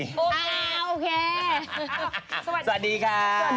โอเคโอเคสวัสดีค่ะสวัสดีค่ะสวัสดีค่ะ